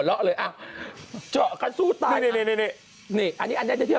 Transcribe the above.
เท่านี้เยอะมากตู้ใหญ่มาก